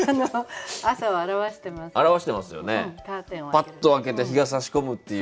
パッと開けて日がさし込むっていう。